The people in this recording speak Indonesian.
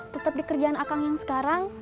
tetep di kerjaan akang yang sekarang